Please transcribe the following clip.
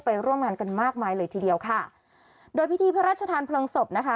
ร่วมงานกันมากมายเลยทีเดียวค่ะโดยพิธีพระราชทานเพลิงศพนะคะ